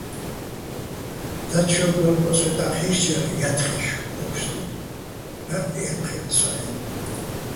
დაჩო ბალკოჼ სვეტახ ჰ̦ი́რჩრალო̆ ჲათხეშ ო ფსტუ́ჲნო̆: მა ე́ჴჴჲო́ლეთ სო-აჲნო̆.